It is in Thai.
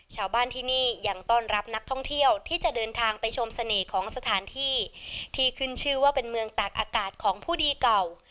ชาวบ้านที่นี่ยังต้อนรับนักท่องเที่ยวที่จะเดินทางไปชมเสน่ห์ของสถานที่ที่ขึ้นชื่อว่าเป็นเมืองตากอากาศของผู้ดีเก่า